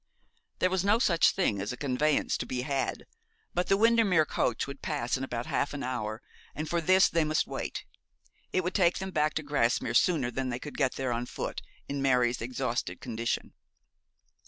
There was no such thing as a conveyance to be had, but the Windermere coach would pass in about half an hour, and for this they must wait. It would take them back to Grasmere sooner than they could get there on foot, in Mary's exhausted condition.